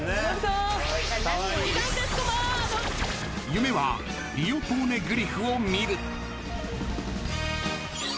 ［夢はリオ・ポーネグリフを見る］